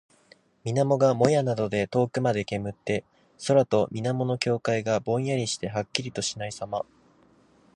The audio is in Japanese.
水面がもやなどで遠くまで煙って、空と水面の境界がぼんやりしてはっきりとしないさま。